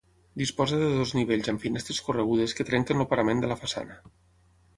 Disposa de dos nivells amb finestres corregudes que trenquen el parament de la façana.